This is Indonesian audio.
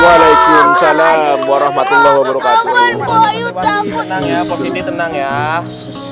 walaikum salam warahmatullah wabarakatuh